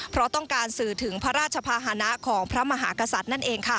เพราะต้องการสื่อถึงพระราชภาษณะของพระมหากษัตริย์นั่นเองค่ะ